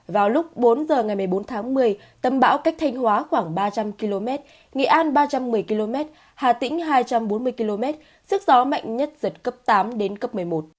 vào lúc bốn giờ ngày một mươi bốn tháng một mươi tâm bão cách thanh hóa khoảng ba trăm linh km nghệ an ba trăm một mươi km hà tĩnh hai trăm bốn mươi km sức gió mạnh nhất giật cấp tám đến cấp một mươi một